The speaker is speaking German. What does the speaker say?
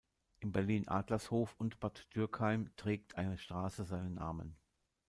In Berlin-Adlershof und Bad Dürkheim trägt eine Straße seinen Namen.